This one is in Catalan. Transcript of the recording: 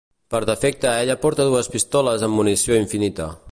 Per defecte ella porta dues pistoles amb munició infinita.